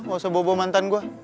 gak usah bawa bawa mantan gue